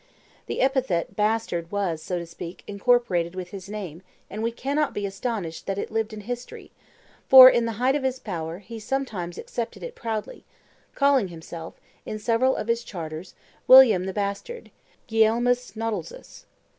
The epithet bastard was, so to speak, incorporated with his name; and we cannot be astonished that it lived in history, for, in the height of his power, he sometimes accepted it proudly, calling himself, in several of his charters, William the Bastard (Gulielmus Notlzus).